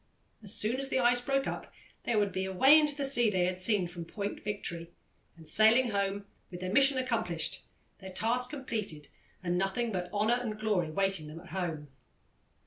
As soon as the ice broke up they would be away into the sea they had seen from Point Victory, and sailing home with their mission accomplished, their task completed, and nothing but honour and glory waiting them at home.